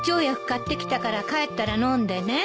買ってきたから帰ったら飲んでね。